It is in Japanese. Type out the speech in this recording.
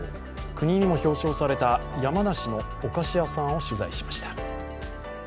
国にも表彰された山梨のお菓子屋さんを取材しました。